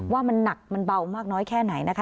ว่ามันหนักมันเบามากน้อยแค่ไหนนะคะ